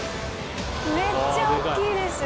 めっちゃ大っきいです。